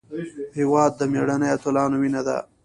هېواد د مېړنیو اتلانو وینه ده.